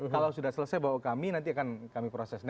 kalau sudah selesai bahwa kami nanti akan